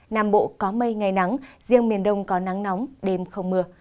nam bộ có mây ngày nắng riêng miền đông có nắng nóng đêm không mưa